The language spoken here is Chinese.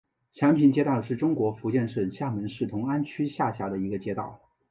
祥平街道是中国福建省厦门市同安区下辖的一个街道。